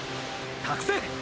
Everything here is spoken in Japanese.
託せ！！